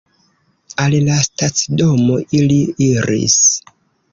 Al la stacidomo ili iris.